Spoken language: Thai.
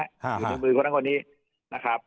อยู่ในมือคนนั้นคนนี้นะครับ